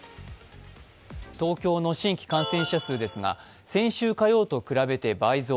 東京の新規感染者数ですが先週火曜日と比べて倍増。